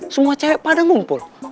semua cewek pada ngumpul